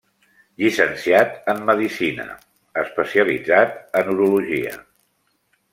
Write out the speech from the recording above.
Llicenciat en medicina, especialitzat en urologia.